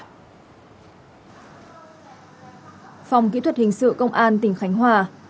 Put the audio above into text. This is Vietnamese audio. phòng kỹ thuật hình sự công an tỉnh khánh hòa